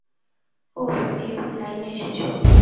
ওহ, এইবার লাইনে এসেছ।